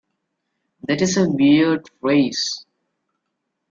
That is a weird phrase.